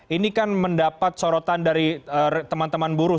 ini kan mendapat sorotan dari teman teman buruh